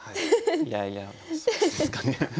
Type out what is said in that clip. いやいやそうですかね。